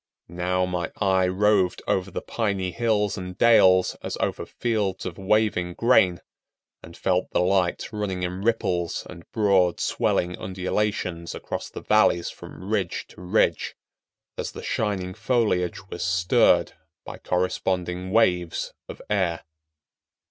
Now my eye roved over the piny hills and dales as over fields of waving grain, and felt the light running in ripples and broad swelling undulations across the valleys from ridge to ridge, as the shining foliage was stirred by corresponding waves of air.